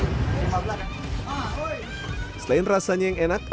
asinan di komplek perumahan villa regensi ii ini juga dikenal bersih